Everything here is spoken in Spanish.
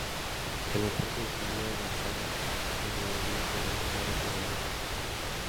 El aporte de Julia Gonzaga al movimiento reformado fue valioso.